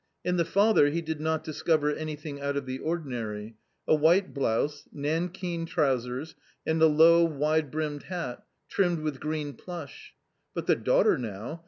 In the father he did not discover anything out of the ordinary. A white blouse, nankeen trousers, and a low wide brimmed hat, trimmed with green plush. But the daughter now